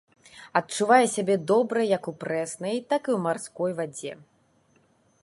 Адчувае сябе добра як у прэснай, так і ў марской вадзе.